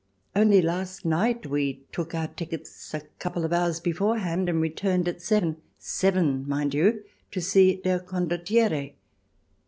Only last night we took our tickets a couple of hours before hand, and returned at seven — seven, mind you !— to see " Der Condottiere."